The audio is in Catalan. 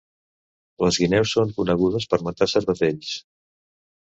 Les guineus són conegudes per matar cervatells.